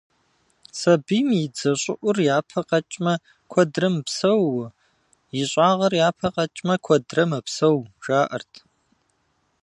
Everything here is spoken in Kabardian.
Сабийм и дзэ щӏыӏур япэ къэкӏмэ, куэдрэ мыпсэууэ, ищӏагъыр япэ къэкӏмэ, куэдрэ мэпсэу, жаӏэрт.